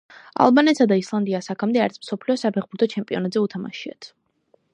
ალბანეთსა და ისლანდიას აქამდე არც მსოფლიო საფეხბურთო ჩემპიონატზე უთამაშიათ.